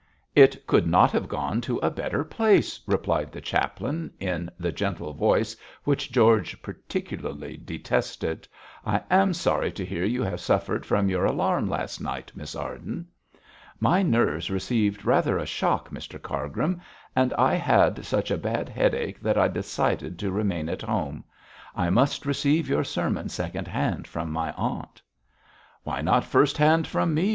'It could not have gone to a better place,' replied the chaplain, in the gentle voice which George particularly detested. 'I am sorry to hear you have suffered from your alarm last night, Miss Arden.' 'My nerves received rather a shock, Mr Cargrim, and I had such a bad headache that I decided to remain at home. I must receive your sermon second hand from my aunt.' 'Why not first hand from me?'